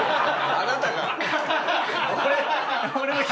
あなたが。